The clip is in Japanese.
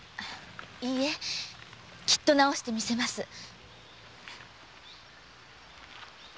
いいえきっと治してみせます。